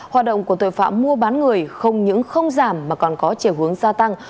hoạt động của tội phạm mua bán người không những không giảm mà còn có chiều hướng gia tăng